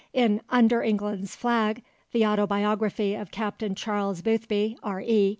In Under England's Flag, the autobiography of Captain Charles Boothby, R.E.